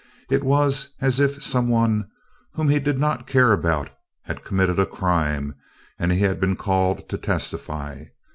It was as if some one whom he did not care about had committed a crime and he had been called to testify.